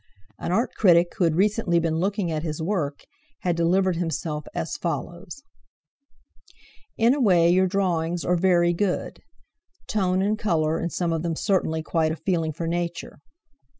An Art critic who had recently been looking at his work had delivered himself as follows: "In a way your drawings are very good; tone and colour, in some of them certainly quite a feeling for Nature.